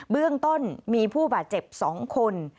เบื้องต้นมีผู้บาดเจ็บ๒คน